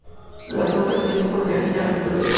Las hojas y tallo son, por lo general, ligeramente peludas.